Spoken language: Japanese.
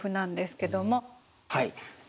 はい。